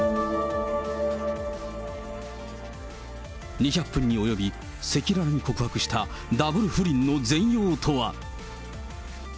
２００分におよび、赤裸々に告白したダブル不倫の全容とは。